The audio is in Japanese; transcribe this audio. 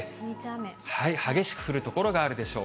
激しく降る所があるでしょう。